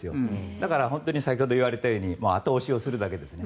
だから、先ほど言われたように後押しするだけですね。